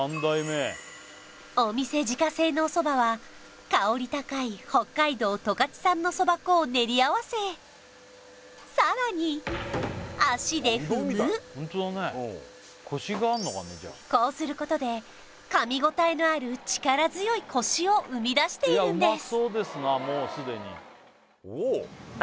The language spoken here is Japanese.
お店自家製のおそばは香り高い北海道十勝産のそば粉を練り合わせさらに足で踏むこうすることで噛みごたえのある力強いコシを生み出しているんです